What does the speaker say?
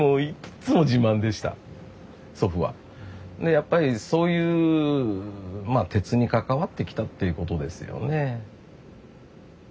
やっぱりそういうまあ鉄に関わってきたっていうことですよね。